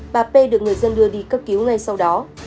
bà p được người dân đưa đi cấp cứu ngay sau đó